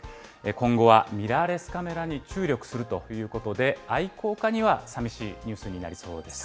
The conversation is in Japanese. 今後はミラーレスカメラに注力するということで、愛好家にはさみしいニュースになりそうです。